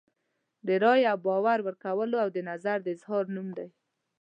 د رایې او باور ورکولو او د نظر د اظهار نوم دی.